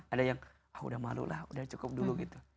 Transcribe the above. ada yang ah udah malu lah udah cukup dulu gitu